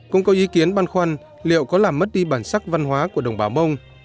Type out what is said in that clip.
cũng có ý kiến băn khoăn liệu có làm mất đi bản sắc văn hóa của đồng bào mông